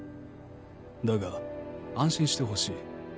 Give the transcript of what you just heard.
「だが安心して欲しい」